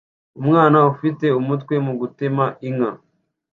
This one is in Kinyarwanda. Umwana ufite umutwe mu gutema inka